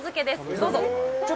どうぞ。